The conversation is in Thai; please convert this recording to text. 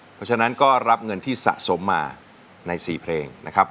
เพราะฉะนั้นก็รับเงินที่สะสมมาใน๔เพลงนะครับ